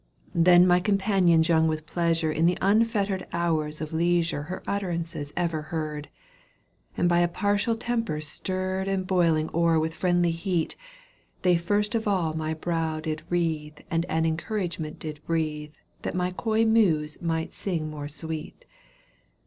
^® Then my companions young with pleasure In the unfettered hours of leisure Her utterances ever heard, And by a partial temper stirred And boiling o'er with friendly heat, They first of aU my brow did wreathe And an encouragement did breathe That my coy Muse might sing more sweet.